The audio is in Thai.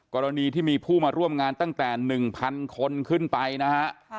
กรณีที่มีผู้มาร่วมงานตั้งแต่๑๐๐คนขึ้นไปนะฮะ